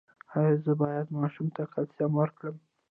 ایا زه باید ماشوم ته کلسیم ورکړم؟